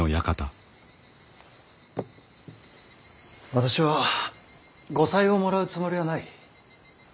私は後妻をもらうつもりはない。